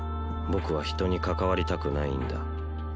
僕は人に関わりたくないんだ